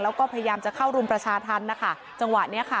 แล้วก็พยายามจะเข้ารุมประชาธรรมนะคะจังหวะเนี้ยค่ะ